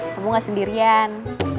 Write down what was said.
kamu nggak sendirian